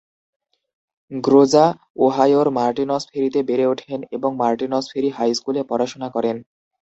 গ্রোজা ওহাইওর Martin's ফেরিতে বেড়ে ওঠেন এবং মার্টিনস ফেরি হাই স্কুলে পড়াশোনা করেন।